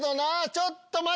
ちょっと待った。